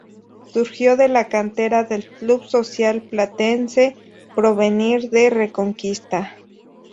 Surgió de la cantera del Club Social Platense Porvenir de Reconquista.